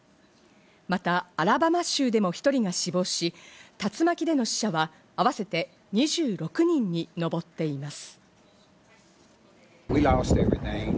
またアラバマ州でも１人が死亡し、竜巻での死者は合わせて２６人に上っています。